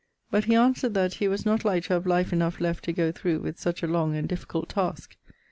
But he answered that he was not like to have life enough left to goe through with such a long and difficult taske.